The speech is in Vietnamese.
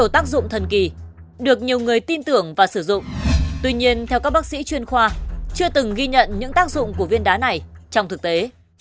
theo các bác sĩ chuyên khoa chưa từng ghi nhận những tác dụng của viên đá này trong thực tế